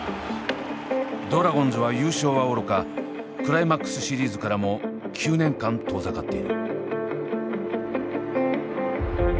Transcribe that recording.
ドラゴンズは優勝はおろかクライマックスシリーズからも９年間遠ざかっている。